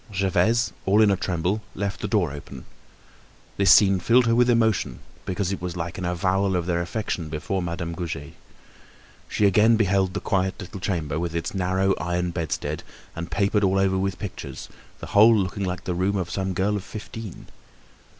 Gervaise, all in a tremble left the door open. This scene filled her with emotion because it was like an avowal of their affection before Madame Goujet. She again beheld the quiet little chamber, with its narrow iron bedstead, and papered all over with pictures, the whole looking like the room of some girl of fifteen.